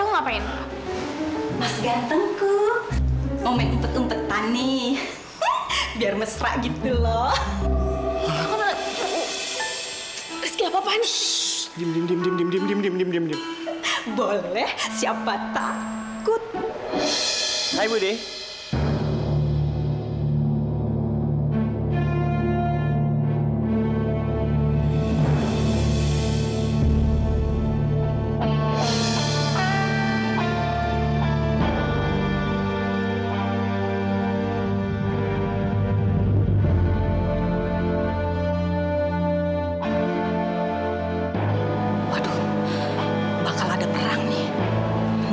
kok mau minta maaf segala lu mau minta maaf enggak